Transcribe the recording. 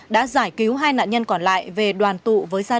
đã giải cứu hai nạn nhân còn lại về đoàn tụ